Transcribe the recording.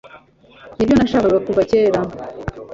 nibyo nashakaga kuva kera